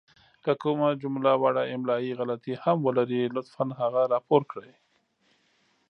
که کومه جمله وړه املائې غلطې هم ولري لطفاً هغه راپور کړئ!